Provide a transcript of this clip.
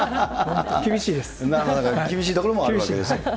厳しいところもあるわけですね。